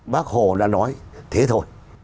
bác hồ đã nói thế thôi